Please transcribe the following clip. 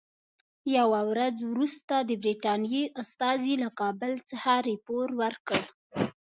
یوه ورځ وروسته د برټانیې استازي له کابل څخه راپور ورکړ.